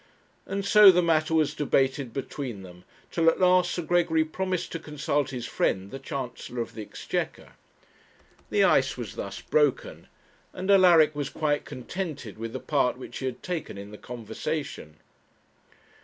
And so the matter was debated between them, till at last Sir Gregory promised to consult his friend the Chancellor of the Exchequer. The ice was thus broken, and Alaric was quite contented with the part which he had taken in the conversation.